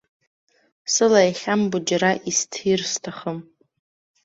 Сыла иахьамбо џьара исҭир сҭахым.